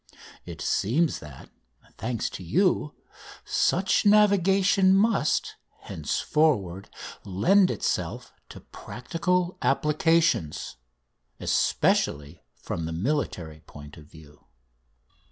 It seems that, thanks to you, such navigation must, henceforward, lend itself to practical applications, especially from the military point of view.